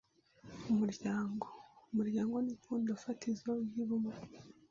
U m urya n g o Umuryango ni ipfundo fatizo ry’ubumwe